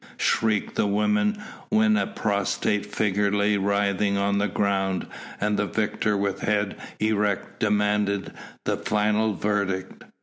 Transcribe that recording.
shrieked the women when a prostrate figure lay writhing on the ground, and the victor with head erect demanded the final verdict.